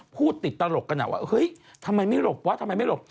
พูดติดตลกกันว่าเฮ้ยทำไมไม่หลบวะทำไมไม่หลบ